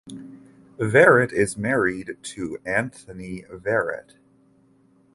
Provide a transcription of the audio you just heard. Verret is married to Anthony Verret.